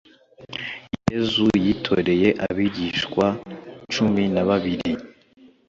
Yezu yitoreye abigishwa cuminababiri